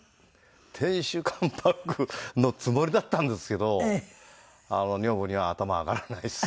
亭主関白のつもりだったんですけど女房には頭上がらないです。